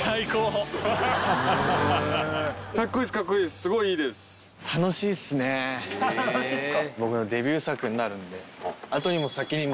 すごいいいです。とか。